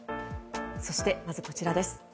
そして、まずこちらです。